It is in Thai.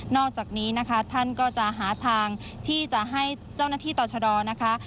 อกจากนี้นะคะท่านก็จะหาทางที่จะให้เจ้าหน้าที่ต่อชะดอนะคะ